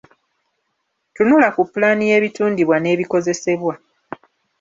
Tunula ku pulaani y’ebitundibwa n’ebikozesebwa.